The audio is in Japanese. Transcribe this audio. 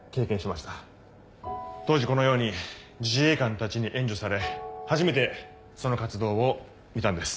当時このように自衛官たちに援助され初めてその活動を見たんです。